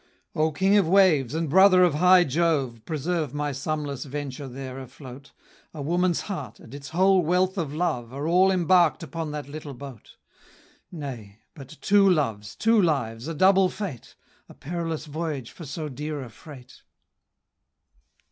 "O King of waves, and brother of high Jove, Preserve my sumless venture there afloat; A woman's heart, and its whole wealth of love, Are all embark'd upon that little boat; Nay! but two loves, two lives, a double fate, A perilous voyage for so dear a freight."